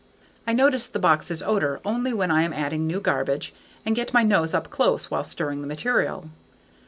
I notice the box's odor only when I am adding new garbage and get my nose up close while stirring the material.